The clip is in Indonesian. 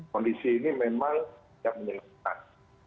kondisi ini memang tidak menyenangkan